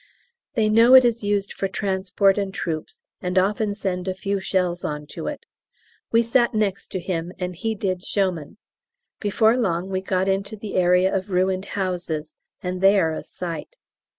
They know it is used for transport and troops and often send a few shells on to it. We sat next him and he did showman. Before long we got into the area of ruined houses and they are a sight!